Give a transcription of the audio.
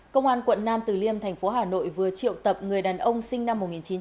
công an quận nam từ liêm thành phố hà nội vừa triệu tập người đàn ông sinh năm một nghìn chín trăm tám mươi